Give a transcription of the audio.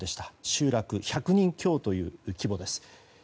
集落１００人強という規模です。